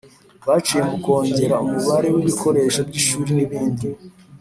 biciye mu kongera umubare w'ibikoresho by'ishuri n'ibindi.